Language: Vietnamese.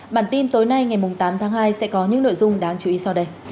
bản tin tối nay ngày tám tháng hai sẽ có những nội dung đáng chú ý sau đây